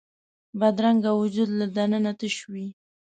بدرنګه وجود له دننه تش وي